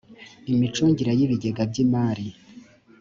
imicungire y ibigega by imari